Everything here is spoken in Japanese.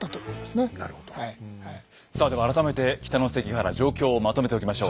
さあでは改めて「北の関ヶ原」状況をまとめておきましょう。